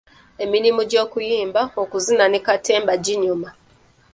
Emirimu gy'okuyimba, okuzina ne katemba ginyuma.